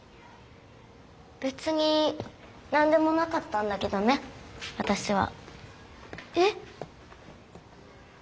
べつになんでもなかったんだけどねわたしは。えっ？